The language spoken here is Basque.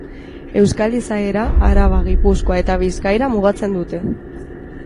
Euskal izaera Araba, Gipuzkoa eta Bizkaira mugatzen dute.